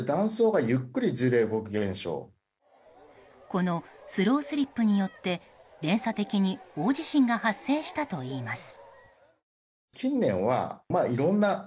このスロースリップによって連鎖的に大地震が発生したといいます。